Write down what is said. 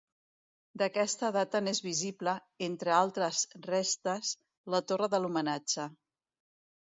D'aquesta data n'és visible, entre altres restes, la torre de l'homenatge.